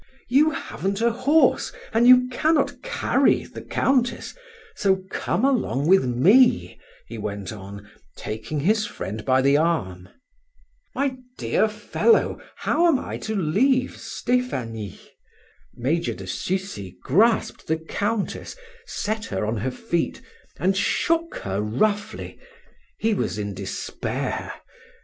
You haven't a horse, and you cannot carry the Countess, so come along with me," he went on, taking his friend by the arm. "My dear fellow, how am I to leave Stephanie?" Major de Sucy grasped the Countess, set her on her feet, and shook her roughly; he was in despair.